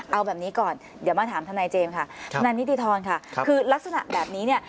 เอาแบบนี้ก่อนเดี๋ยวมาถามทนายเจมส์ค่ะทนายนิติธรค่ะคือลักษณะแบบนี้เนี่ย